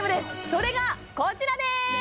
それがこちらです